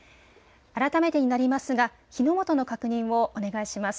改めてになりますが火の元の確認をお願いします。